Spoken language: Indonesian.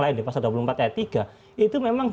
lain di pasal dua puluh empat ayat tiga itu memang